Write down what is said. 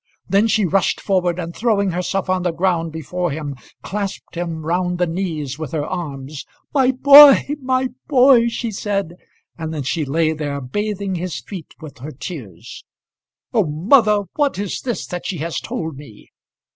Then she rushed forward, and throwing herself on the ground before him clasped him round the knees with her arms. "My boy, my boy!" she said. And then she lay there bathing his feet with her tears. "Oh! mother, what is this that she has told me?"